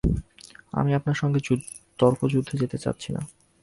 আমি আপনার সঙ্গে তর্কযুদ্ধে যেতে চাচ্ছি না।